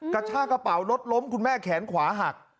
กระชากระเป๋ารถล้มคุณแม่แขนขวาหัก